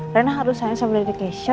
renah harus sayang sama dedek keisha